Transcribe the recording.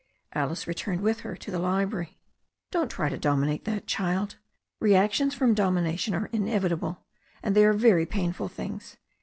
Alice returned with her to the library. "Don't try to dominate that child. Reactions from domi nation are inevitable. And they are very painful things.